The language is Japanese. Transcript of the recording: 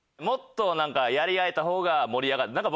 もっとなんかやり合えた方が盛り上がる。